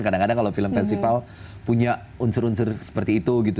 kadang kadang kalau film festival punya unsur unsur seperti itu gitu